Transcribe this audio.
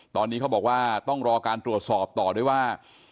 ตอนนี้เขาบอกว่าต้องรอการตรวจสอบต่อด้วยว่า